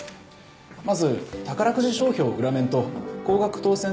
まず宝くじ証票裏面と高額当選